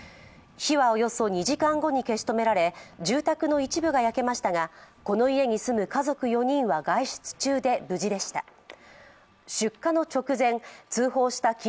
火はおよそ２時間後に消し止められ住宅の一部が焼けましたが、この家に住む家族４人は外出中で無事でした。